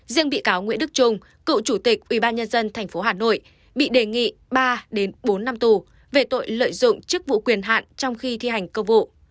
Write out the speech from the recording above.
riêng bị cáo nguyễn đức trung cựu chủ tịch ubnd tp hà nội bị đề nghị ba bốn năm tù về tội lợi dụng chức vụ quyền hạn trong khi thi hành công vụ